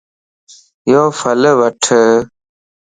يو ڦل وڻھه